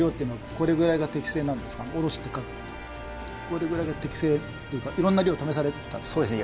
これぐらいが適正？というか色んな量試されたんですか？